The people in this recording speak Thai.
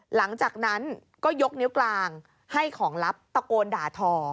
หลังจากนั้นก็ยกนิ้วกลางให้ของลับตะโกนด่าทอ